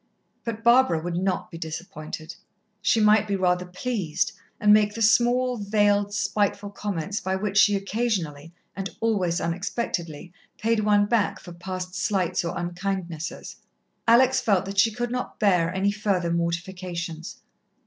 But Barbara would not be disappointed. She might be rather pleased, and make the small, veiled, spiteful comments by which she occasionally, and always unexpectedly, paid one back for past slights or unkindnesses. Alex felt that she could not bear any further mortifications.